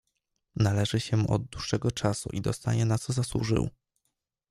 "Należy się mu od dłuższego czasu i dostanie na co zasłużył."